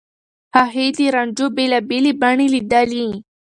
هغې د رانجو بېلابېلې بڼې ليدلي.